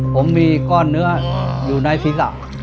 ผมมีก้อนเนื้ออยู่ในศีรษะ